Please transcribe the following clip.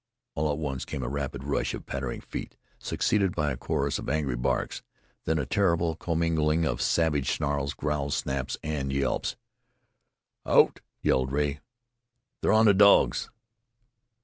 All at once came a rapid rush of pattering feet, succeeded by a chorus of angry barks, then a terrible commingling of savage snarls, growls, snaps and yelps. "Out!" yelled Rea. "They're on the dogs!"